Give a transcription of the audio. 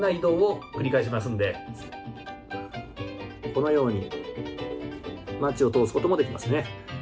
このようにマッチを通すこともできますね。